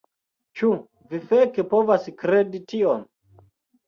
Ĉu vi feke povas kredi tion??